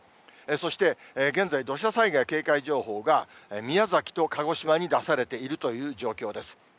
そして現在、土砂災害警戒情報が、宮崎と鹿児島に出されているという状況です。